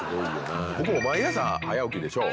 ほぼ毎朝早起きでしょう。